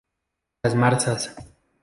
Las marzas.